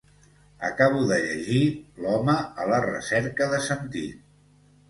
Acabo de llegir L'home a la recerca de sentit.